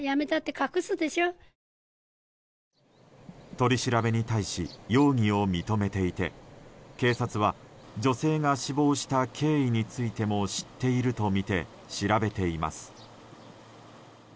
取り調べに対し容疑を認めていて警察は女性が死亡した経緯についても知っているとみて調べています。